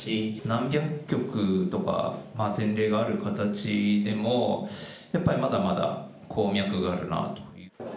何百局とか前例がある形でも、やっぱりまだまだ鉱脈があるなと。